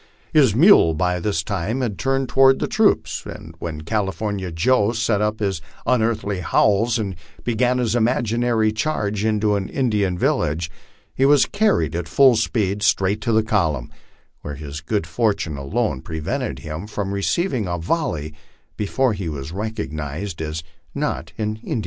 His mule by this time had turned toward the troops, and when California Joe set up his un earthly howls, and began his imaginary charge into an Indian village, he was carried at full speed straight to the column, where his good fortune alone pre vented him from receiving a volley before he was recognized as not an Indian.